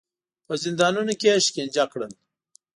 په زندانونو کې یې شکنجه کړل.